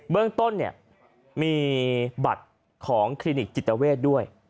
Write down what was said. เรื่องต้นมีบัตรของคลินิกจิตเวทด้วย